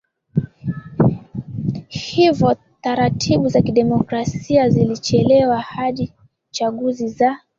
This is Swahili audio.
hivyo taratibu za kidemokrasia zilichelewa hadi chaguzi za